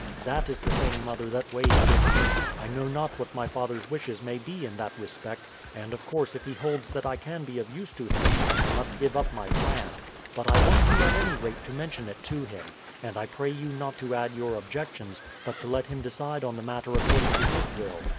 "That is the thing, mother, that weighs with me. I know not what my father's wishes may be in that respect, and of course if he holds that I can be of use to him I must give up my plan; but I want you at any rate to mention it to him. And I pray you not to add your objections, but to let him decide on the matter according to his will."